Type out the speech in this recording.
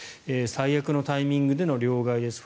最悪のタイミングでの両替です。